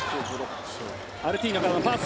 アルティーノからのパス。